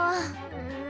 うん。